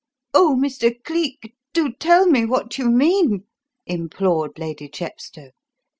"Oh, Mr. Cleek, do tell me what you mean," implored Lady Chepstow.